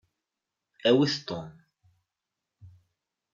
Awit Tom.